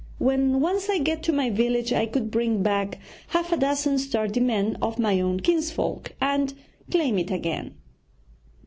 When once I get to my village I could bring back half a dozen sturdy men of my own kinsfolk and claim it again.'